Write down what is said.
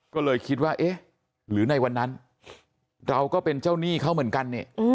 ก็เลยคิดว่าเอ๊ะหรือในวันนั้นเราก็เป็นเจ้าหนี้เขาเหมือนกันเนี่ย